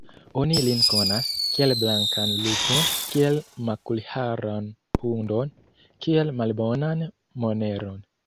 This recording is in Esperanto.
Oni lin konas, kiel blankan lupon; kiel makulharan hundon; kiel malbonan moneron.